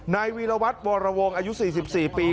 นายวีรวัตรวรวงอายุ๔๔ปี